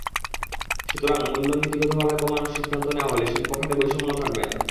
সুতরাং মূল্য নীতিগতভাবে কমানোর সিদ্ধান্ত নেওয়া হলে শিল্প খাতে বৈষম্য থাকবে না।